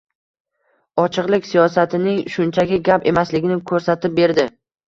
Ochiqlik siyosatining shunchaki gap emasligini koʻrsatib berdi.